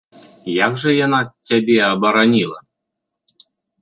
Як жа яна цябе абараніла?